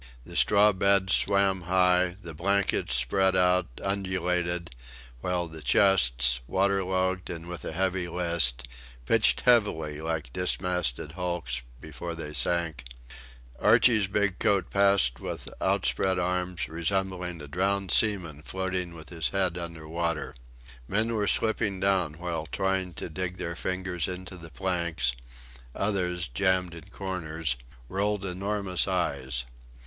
The straw beds swam high, the blankets, spread out, undulated; while the chests, waterlogged and with a heavy list, pitched heavily like dismasted hulks, before they sank; Archie's big coat passed with outspread arms, resembling a drowned seaman floating with his head under water. Men were slipping down while trying to dig their fingers into the planks; others, jammed in corners, rolled enormous eyes.